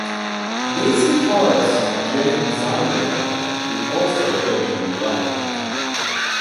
Bass guitarist, Jen Zielenbach, also eventually left.